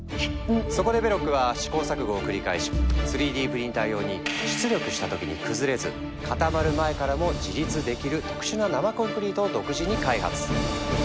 そこでベロックは試行錯誤を繰り返し３Ｄプリンター用に出力した時に崩れず固まる前からも自立できる特殊な生コンクリートを独自に開発。